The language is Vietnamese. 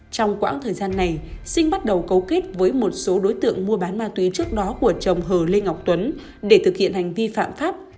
trong quãng thời gian này sinh bắt đầu cấu kết với một số đối tượng mua bán ma túy trước đó của chồng hờ lê ngọc tuấn để thực hiện hành vi phạm pháp